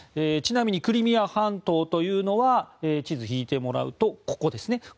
ちなみにクリミア半島というのは地図を引いてもらうとここですね。